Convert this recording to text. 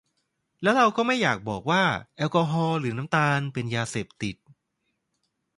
แล้วเราก็ไม่อยากบอกว่าแอลกอฮอล์ หรือน้ำตาล เป็นยาเสพติด